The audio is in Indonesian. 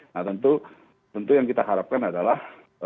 nah tentu yang kita harapkan adalah